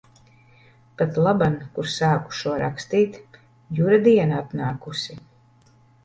Patlaban, kur sāku šo rakstīt, Jura diena atnākusi.